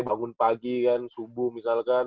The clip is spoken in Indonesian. bangun pagi kan subuh misalkan